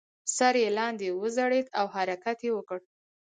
سر یې لاندې وځړید او حرکت یې وکړ.